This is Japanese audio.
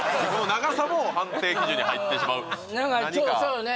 長さも判定基準に入ってしまう何かそうよね